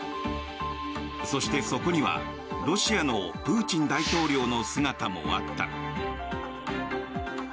そして、そこにはロシアのプーチン大統領の姿もあった。